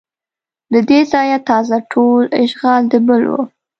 له دې ځایه تازه ټول اشغال د بل و